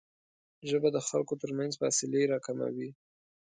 ژبه د خلکو ترمنځ فاصلې راکموي